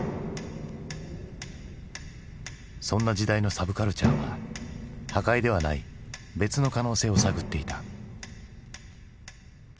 そんな時代のサブカルチャーは破壊ではない別の可能性を探っていた。